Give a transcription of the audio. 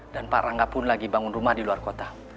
dan pak rangga pun lagi bangun rumah di luar kota